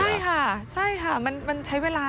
ใช่ค่ะใช่ค่ะมันใช้เวลา